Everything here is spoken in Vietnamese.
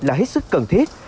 là hết sức cần thiết